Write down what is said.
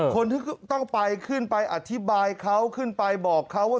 คนที่ต้องไปขึ้นไปอธิบายเขาขึ้นไปบอกเขาว่า